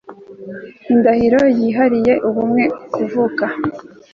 indahiro yirahiriye y'ubumwe ikavuka